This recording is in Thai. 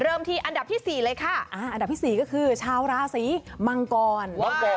เริ่มที่อันดับที่๔เลยค่ะอันดับที่๔ก็คือชาวราศีมังกรมังกร